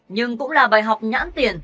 nhưng cũng là bài học nhãn tiền